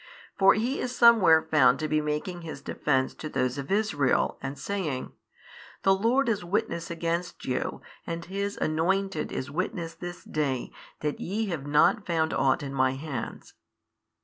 For he is somewhere found to be making his defence to those of Israel and saying, The Lord is witness against you and His anointed is witness this day that ye have not found ought in my hands.